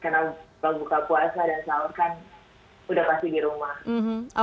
karena kalau buka puasa dan sahur kan udah pasti di rumah